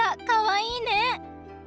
かわいいね！